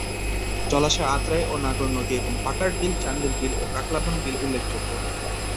জলাশয় আত্রাই ও নাগর নদী এবং পাকার বিল, চান্দের বিল ও কাকলাবন বিল উল্লেখযোগ্য।